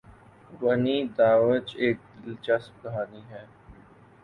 ونی داوچ ایک دلچسپ کہانی ہے۔